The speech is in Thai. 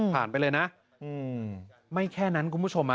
ไปเลยนะไม่แค่นั้นคุณผู้ชม